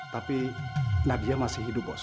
tapi nadia masih hidup bos